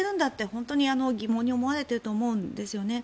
本当に疑問に思われていると思うんですよね。